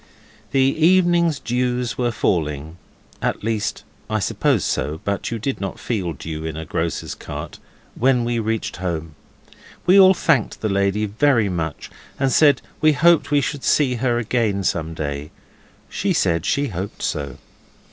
The evening dews were falling at least, I suppose so, but you do not feel dew in a grocer's cart when we reached home. We all thanked the lady very much, and said we hoped we should see her again some day. She said she hoped so.